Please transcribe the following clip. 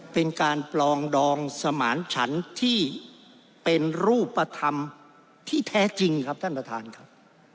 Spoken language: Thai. เป็นการปลองดองสมานฉันที่เป็นรูปธรรมที่แท้จริงครับท่านประธานครับ